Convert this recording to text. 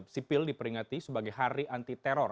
sipil diperingati sebagai hari anti teror